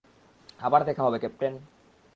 আবার দেখা হবে, ক্যাপ্টেন।